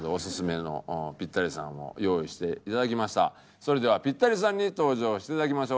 それではピッタリさんに登場していただきましょう。